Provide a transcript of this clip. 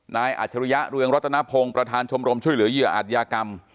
อาจริยะเรืองรัตนพงศ์ประธานชมรมช่วยเหลือเหยื่ออาจยากรรม